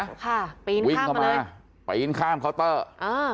ค่ะไปอิ้นข้ามมาเลยวิ่งเข้ามาไปอิ้นข้ามเคาน์เตอร์อ่า